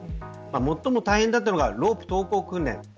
最も大変だったのがロープ投降訓練。